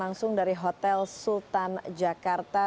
langsung dari hotel sultan jakarta